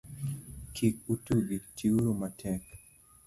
Kik utugi, ti uru matek.